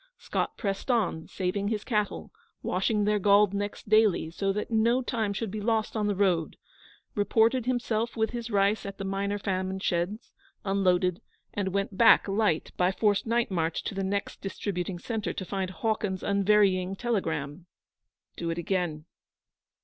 Scott pressed on, saving his cattle, washing their galled necks daily, so that no time should be lost on the road; reported himself with his rice at the minor famine sheds, unloaded, and went back light by forced night march to the next distributing centre, to find Hawkins's unvarying telegram: 'Do it again.'